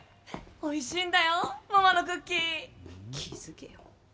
おいしいんだよ、ママのクッキー。